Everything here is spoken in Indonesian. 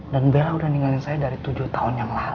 dan bella udah ninggalin saya dari tujuh tahun yang lalu